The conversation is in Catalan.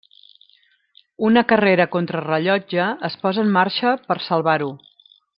Una carrera contra rellotge es posa en marxa per salvar-ho.